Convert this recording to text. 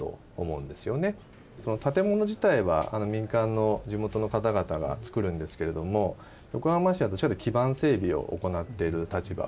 建物自体は民間の地元の方々が作るんですけれども横浜市はどちらかというと基盤整備を行ってる立場でございます。